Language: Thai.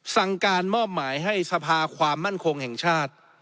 สั่งการมอบหมายให้สภาความมั่นคงแห่งชาติ